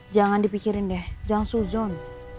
jangan dipikirin deh jangan suzon